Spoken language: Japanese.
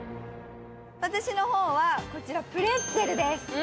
私の方はこちらプレッツェルです。